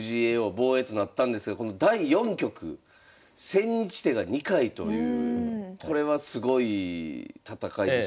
防衛となったんですがこの第４局千日手が２回というこれはすごい戦いでしたよね。